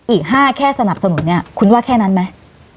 อีก๕แค่สนับสนุนเนี่ยคุณว่าแค่นั้นไหม